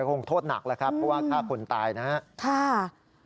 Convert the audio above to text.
คงโทษหนักแล้วครับเพราะว่าฆ่าคนตายนะครับ